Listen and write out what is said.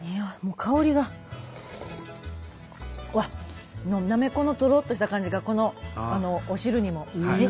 うわっナメコのとろっとした感じがこのお汁にも。